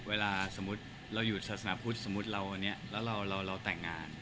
เวลาสมมุติเราอยู่ศาสนาพุทธสมมุติเราวันนี้แล้วเราแต่งงาน